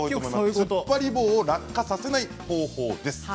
つっぱり棒を落下させない方法です。